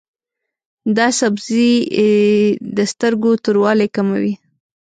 دا سبزی د سترګو توروالی کموي.